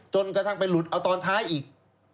จนกระทั่งไปหลุดเอาตอนท้ายอีก